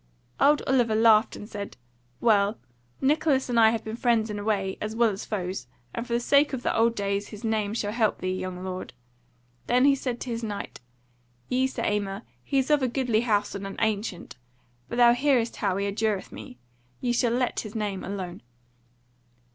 Old Oliver laughed and said: "Well, Nicholas and I have been friends in a way, as well as foes; and for the sake of the old days his name shall help thee, young lord." Then he said to his Knight: "Yea, Sir Aymer, he is of a goodly house and an ancient; but thou hearest how he adjureth me. Ye shall let his name alone."